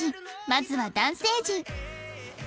まずは男性陣